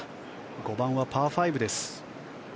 ５番はパー５です。